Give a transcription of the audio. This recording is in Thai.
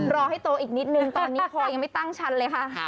รอให้โตอีกนิดนึงตอนนี้คอยังไม่ตั้งชั้นเลยค่ะ